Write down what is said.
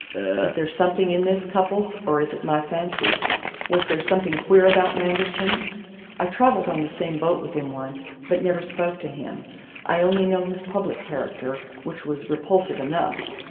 Is there something in this, Cupples, or is it my fancy? Was there something queer about Manderson? I traveled on the same boat with him once, but never spoke to him. I only know his public character, which was repulsive enough.